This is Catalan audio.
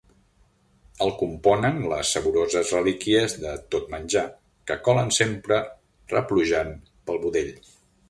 El componen les saboroses relíquies de tot menjar que colen sempre replujant pel budell.